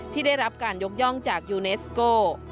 ที่ได้รับการยกย่องจากยูเนสโก